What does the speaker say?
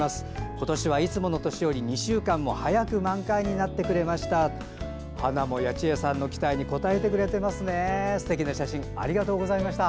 今年はいつもの年よりも２週間も早く満開になってくれました。